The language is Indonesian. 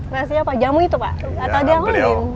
rasanya apa jamu itu pak atau ada yang lain